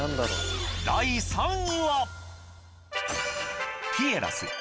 第３位は？